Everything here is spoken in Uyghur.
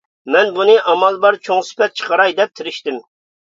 مەن بۇنى ئامال بار چوڭ سۈپەت چىقىراي دەپ تىرىشتىم.